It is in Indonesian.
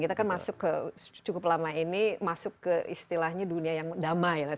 kita kan masuk ke cukup lama ini masuk ke istilahnya dunia yang damai lah